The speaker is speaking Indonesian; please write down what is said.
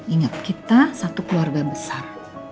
ingat kita satu keluarga besar